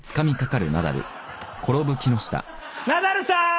ナダルさーん！